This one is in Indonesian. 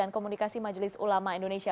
komunikasi majelis ulama indonesia